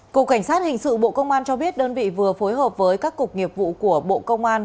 cục cảnh sát hình sự bộ công an cho biết đơn vị vừa phối hợp với các cục nghiệp vụ của bộ công an